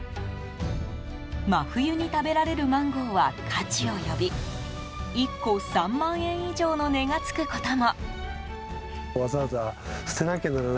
真冬に食べられるマンゴーは価値を呼び１個３万円以上の値が付くことも。